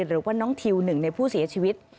หรือว่าน้องทิวหนึ่งในผู้เสียชีวิต